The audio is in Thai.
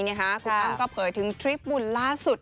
คุณอ้ำก็เผยถึงทริปบุญล่าสุด